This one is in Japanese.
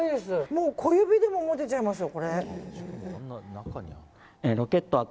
もう小指でも持てちゃいますよ。